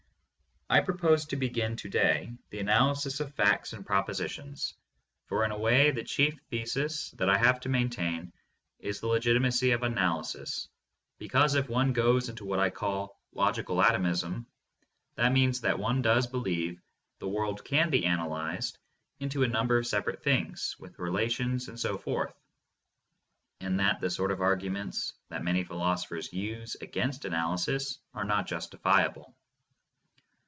I propose to begin to day the analysis of facts and prop ositions, for in a way the chief thesis that I have to main 5IO THE MONIST. tain is the legitimacy of analysis, because if one goes into what I call Logical Atomism that means that one does be lieve the world can be analyzed into a number of separate things with relations and so forth, and that the sort of arguments that many philosophers use against analysis are not justifiable.